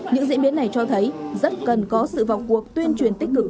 những diễn biến này cho thấy rất cần có sự vào cuộc tuyên truyền tích cực